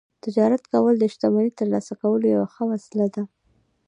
تجارت کول د شتمنۍ ترلاسه کولو یوه ښه وسیله وه